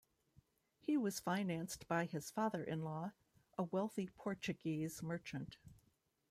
He was financed by his father-in-law, a wealthy Portuguese merchant.